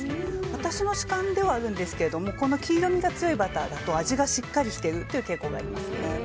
私の主観ではあるんですが黄色みが強いバターだと味がしっかりしているという傾向がありますね。